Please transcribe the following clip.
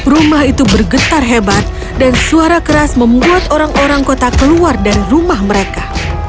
rumah itu bergetar hebat dan suara keras membuat orang orang kota keluar dari rumah mereka